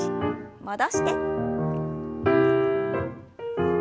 戻して。